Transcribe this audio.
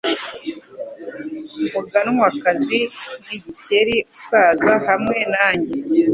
Umuganwakazi nigiker Gusaza hamwe nanjye